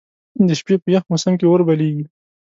د شپې په یخ موسم کې اور بليږي.